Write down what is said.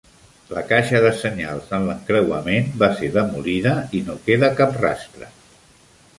La caixa de senyals en l'encreuament va ser demolida i no queda cap rastre.